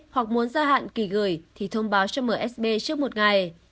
hoặc muốn gia hạn kỳ gửi thì thông báo cho msb trước một ngày